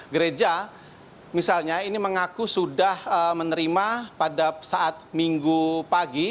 gereja misalnya ini mengaku sudah menerima pada saat minggu pagi